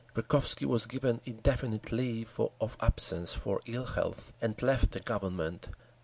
Verkhovsky was given "indefinite leave of absence for ill health," and left the Government.